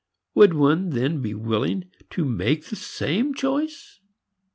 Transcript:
Would one then be willing to make the same choice?